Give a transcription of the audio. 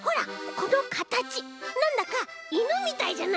このかたちなんだかいぬみたいじゃない！？